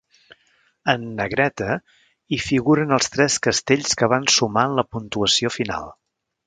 En negreta, hi figuren els tres castells que van sumar en la puntuació final.